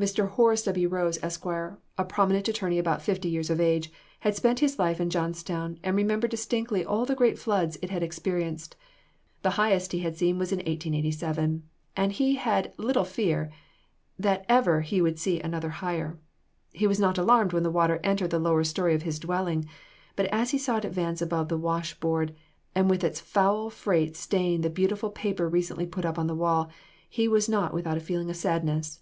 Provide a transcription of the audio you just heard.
Mr. Horace W. Rose, Esq., a prominent attorney about fifty years of age, had spent his life in Johnstown, and remembered distinctly all the great floods it had experienced. The highest he had seen was in 1887, and he had little fear that ever he would see another higher. He was not alarmed when the water entered the lower story of his dwelling, but as he saw it advance above the wash board, and with its foul freight stain the beautiful paper recently put upon the wall, he was not without a feeling of sadness.